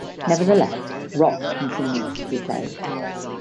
Nevertheless, rock continued to be played.